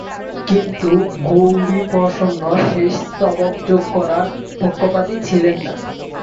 কিন্তু গৌরী প্রসন্ন শেষ স্তবক যোগ করার পক্ষপাতী ছিলেন না।